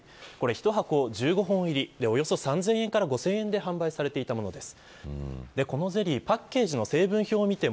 一箱１５本入りおよそ３０００円から５０００円で販売されていたものです。